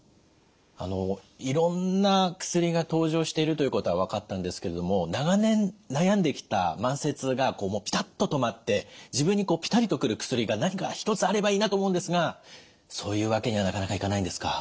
いろんな薬が登場しているということは分かったんですけれども長年悩んできた慢性痛がもうピタッと止まって自分にピタリと来る薬が何か一つあればいいなと思うんですがそういうわけにはなかなかいかないんですか？